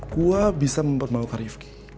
gue bisa memperbaulukan rifki